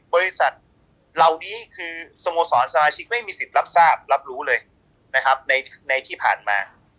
บริษัทเหล่านี้คือสโมสรสมาชิกไม่มีสิทธิ์รับทราบรับรู้เลยนะครับในที่ผ่านมา